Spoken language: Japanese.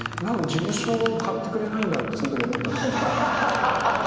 事務所買ってくれないんだってその時思ったんですけど。